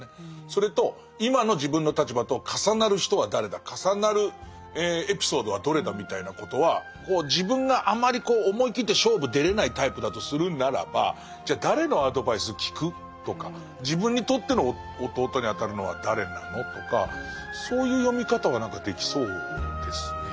それと今の自分の立場と重なる人は誰だ重なるエピソードはどれだみたいなことは自分があまり思い切って勝負出れないタイプだとするならばじゃあ誰のアドバイス聞く？とか自分にとっての弟にあたるのは誰なの？とかそういう読み方は何かできそうですね。